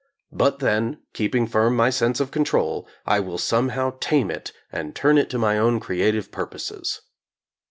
But then, keeping firm my sense of control, I will somehow tame it and turn it to my own creative purposes.